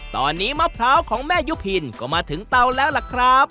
ตอนนี้มะพร้าวของแม่ยุพินก็มาถึงเตาแล้วล่ะครับ